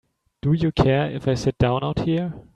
Do you care if I sit down out here?